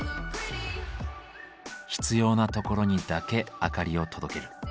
必要なところにだけ明かりを届ける。